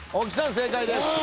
正解です。